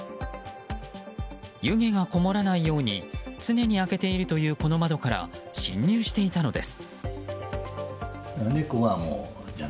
湯気がこもらないように常に開けているというこの窓から侵入していたのです。